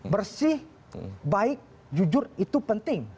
bersih baik jujur itu penting